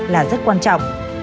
là rất quan trọng